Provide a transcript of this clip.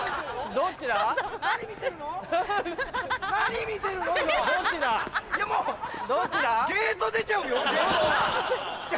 どっちだ？